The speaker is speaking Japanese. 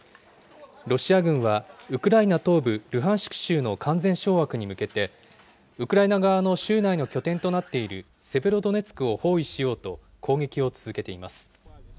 ロシア軍は、ウクライナ東部ルハンシク州の完全掌握に向けて、ウクライナ側の州内の拠点となっているセベロドネツクを包囲しようと、攻撃を続けています。